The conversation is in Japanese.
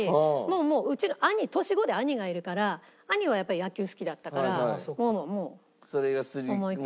もううちの兄年子で兄がいるから兄はやっぱり野球好きだったからもうもう思いっきり。